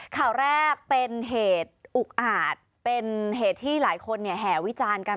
ข่าวแรกเป็นเหตุอุกอาจเป็นเหตุที่หลายคนแห่วิจารณ์กัน